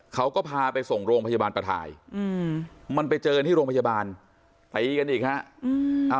เขาก็พาไปส่งโรงพยาบาลประทายมันไปเจอที่โรงพยาบาลตีกันอีกฮะ